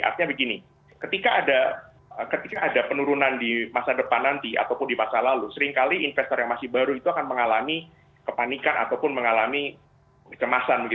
artinya begini ketika ada penurunan di masa depan nanti ataupun di masa lalu seringkali investor yang masih baru itu akan mengalami kepanikan ataupun mengalami kemasan